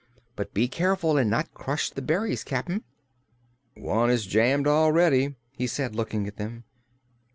But be careful and not crush the berries, Cap'n." "One is jammed already," he said, looking at them.